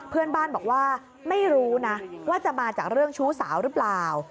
เพื่อนบ้านบอกว่าไม่รู้นะว่าจะมาจากเรื่องชู้สาวหรือเปล่า